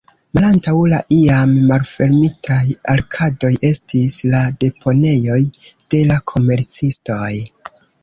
Malantaŭ la iam malfermitaj arkadoj estis la deponejoj de la komercistoj.